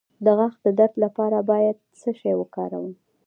د غاښ د درد لپاره باید څه شی وکاروم؟